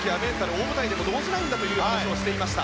大舞台でも動じないんだと話していました。